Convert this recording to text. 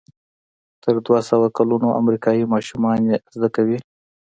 تر دوهسوه کلونو امریکایي ماشومان یې زده کوي.